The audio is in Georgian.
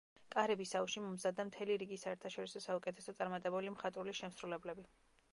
კარიბის აუზში მომზადდა მთელი რიგი საერთაშორისო საუკეთესო წარმატებული მხატვრული შემსრულებლები.